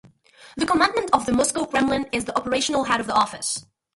The Commandant of the Moscow Kremlin is the operational head of the office.